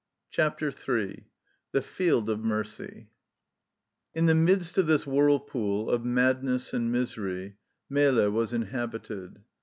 CHAPTER III THE FIELD OF MERCY IN the midst of this whirlpool of madness and misery Melle was inhabited.